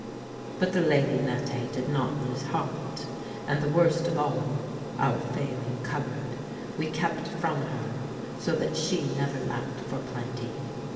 But the lady Mette did not lose heart, and the worst of all (our failing cupboard) we kept from her, so that she never lacked for plenty.